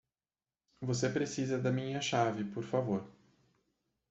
Você precisa da minha chave, por favor.